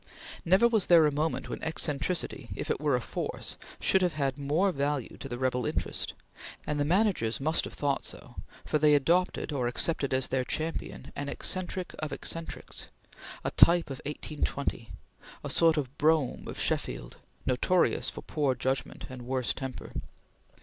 Never was there a moment when eccentricity, if it were a force, should have had more value to the rebel interest; and the managers must have thought so, for they adopted or accepted as their champion an eccentric of eccentrics; a type of 1820; a sort of Brougham of Sheffield, notorious for poor judgment and worse temper.